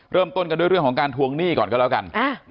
เริ่มต้นกันด้วยเรื่องของการทวงหนี้ก่อนก็แล้วกัน